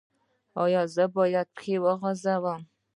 ایا زه باید پښې وغځوم؟